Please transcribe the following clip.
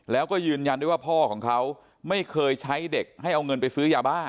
แล้วก็ยืนยันด้วยว่าพ่อของเขาไม่เคยใช้เด็กให้เอาเงินไปซื้อยาบ้า